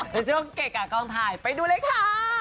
ในช่วงเกะกะกองถ่ายไปดูเลยค่ะ